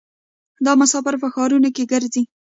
دا مسافر په ښارونو کې ګرځي.